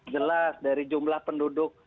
jelas dari jumlah penduduk